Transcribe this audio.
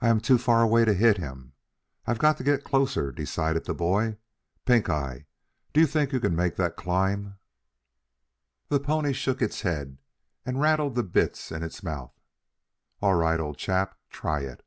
"I am too far away to hit him. I've got to get closer," decided the boy. "Pink eye, do you think you can make that climb?" The pony shook its head and rattled the bits in its mouth. "All right, old chap, try it."